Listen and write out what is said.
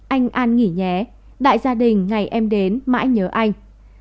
anh an nghỉ đại gia đình ngày em đến mãi nhớ anh